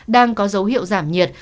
đang có dấu hiệu giảm nhiệt